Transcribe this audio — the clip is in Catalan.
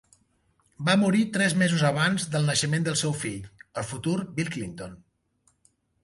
Va morir tres mesos abans del naixement del seu fill, el futur Bill Clinton.